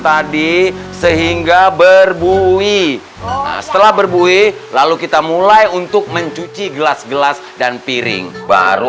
tadi sehingga berbuih setelah berbuih lalu kita mulai untuk mencuci gelas gelas dan piring baru